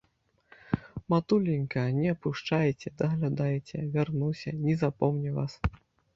Матуленька не апушчайце, даглядайце, вярнуся, не запомню вас.